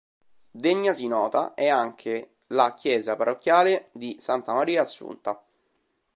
Degna si nota è anche la chiesa parrocchiale di Santa Maria Assunta.